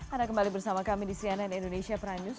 anda kembali bersama kami di cnn indonesia prime news